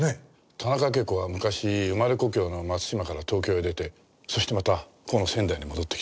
田中啓子は昔生まれ故郷の松島から東京へ出てそしてまたこの仙台に戻ってきた。